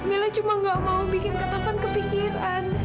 mila cuma nggak mau bikin kak tovan kepikiran